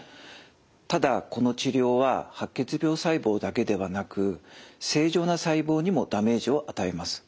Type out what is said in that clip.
ただこの治療は白血病細胞だけではなく正常な細胞にもダメージを与えます。